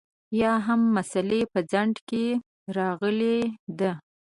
یا هم د مسألې په څنډه کې راغلې ده.